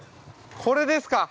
これですか。